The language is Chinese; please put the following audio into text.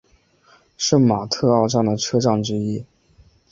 圣马特奥站的车站之一。